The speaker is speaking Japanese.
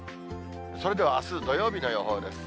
それではあす土曜日の予報です。